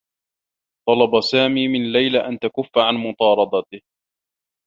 طلب سامي من ليلى أن تكفّ عن مطاردته.